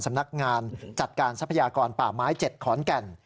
สำนักงานจัดการทรัพยากรป่าไม้๗ขอนแก่น